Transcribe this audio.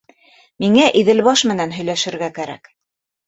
Миңә Иҙелбаш менән һөйләшергә кәрәк.